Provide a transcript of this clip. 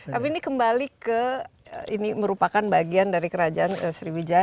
tapi ini kembali ke ini merupakan bagian dari kerajaan sriwijaya